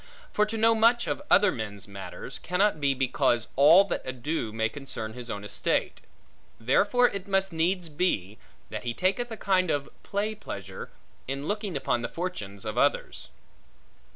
For to know much of other men's matters, cannot be because all that ado may concern his own estate; therefore it must needs be, that he taketh a kind of play pleasure, in looking upon the fortunes of others.